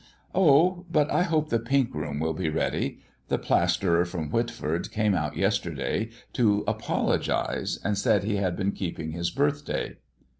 "Oh, but I hope the pink room will be ready. The plasterer from Whitford came out yesterday to apologise, and said he had been keeping his birthday."